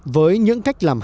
với những cách làm hạng